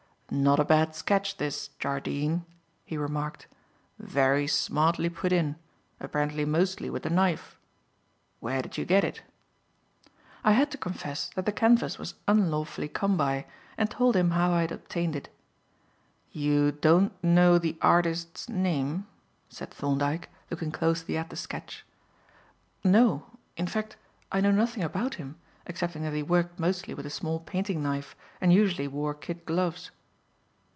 "Not a bad sketch, this, Jardine," he remarked; "very smartly put in, apparently mostly with the knife. Where did you get it?" I had to confess that the canvas was unlawfully come by, and told him how I had obtained it. "You don't know the artist's name?" said Thorndyke, looking closely at the sketch. "No. In fact, I know nothing about him, excepting that he worked mostly with a small painting knife, and usually wore kid gloves."